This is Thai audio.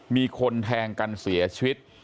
มีคนแทงกันเสียชีวิต